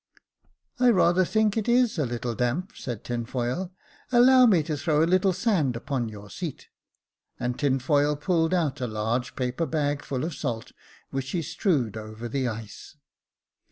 " I rather think it is a little damp," said Tinfoil ;" allow me to throw a little sand upon your seat ;" and Tinfoil pulled out a large paper bag full of salt, which he strewed over the ice.